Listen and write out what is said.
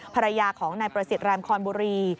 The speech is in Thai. ภรรยาของนายประสิทธิ์แรมคอนบุรี